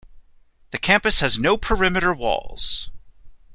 The campus has no perimeter walls.